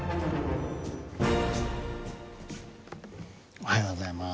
おはようございます。